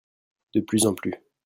De plus en plus.